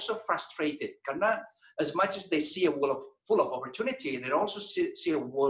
juga sangat terganggu karena seberapa mereka melihat dunia penuh dengan kesempatan mereka juga melihat